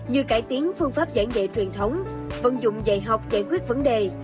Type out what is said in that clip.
như cải tiến phương pháp giảng dạy truyền thống vận dụng dạy học giải quyết vấn đề